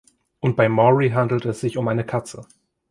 Und bei Maury handelt es sich um eine Katze.